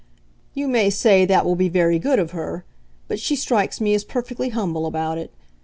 You may say that will be very good of her, but she strikes me as perfectly humble about it.